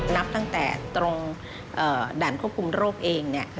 นับตั้งแต่ตรงด่านควบคุมโรคเอง